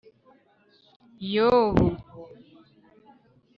yobu ,